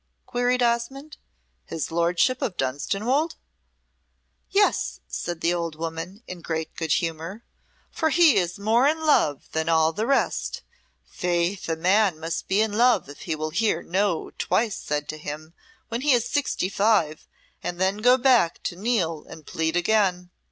queried Osmonde; "his lordship of Dunstanwolde?" "Yes," said the old woman, in great good humour, "for he is more in love than all the rest. Faith, a man must be in love if he will hear 'No' twice said to him when he is sixty five and then go back to kneel and plead again."